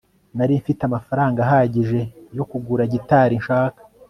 nari mfite amafaranga ahagije yo kugura gitari nshaka